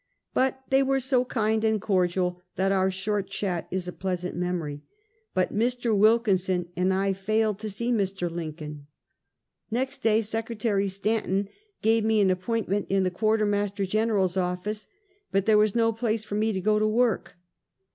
But they were so kind and cordial that our short chat is a pleasant memory; but Mr. Wilkinson and I failed to see Mr. Lincoln. 'Next day Sec. Stanton gave me an appointment in the Quarter Master General's ofiice, but there was no place for me to go to work.